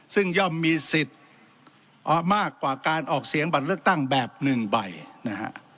ซึ่งย่อมมีสิทธิ์มากกว่าการออกเสียงบัตรเลือกตั้งแบบหนึ่งใบนะฮะ